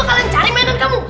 aku mau cari mainan kamu